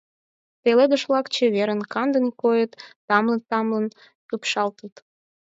Пеледыш-влак чеверын, кандын койыт, тамлын-тамлын ӱпшалтыт.